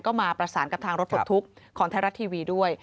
ก็มาประสานกับทางรถปลดทุกข์ของไทยรัฐทีวีด้วย